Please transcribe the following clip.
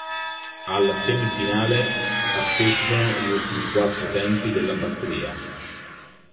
Alla semifinale partecipano gli ultimi quattro tempi della batteria.